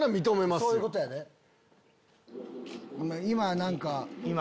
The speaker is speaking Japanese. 今は何か。